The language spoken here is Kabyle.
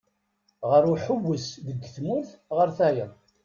Ɣer uḥewwes deg tmurt ɣer tayeḍ.